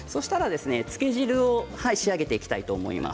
漬け汁を仕上げていきたいと思います。